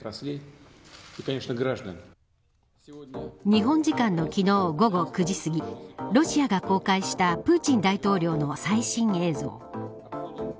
日本時間の昨日午後９時すぎロシアが公開したプーチン大統領の最新映像。